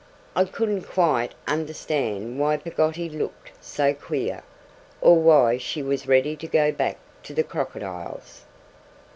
I couldn't quite understand why Peggotty looked so queer, or why she was so ready to go back to the crocodiles.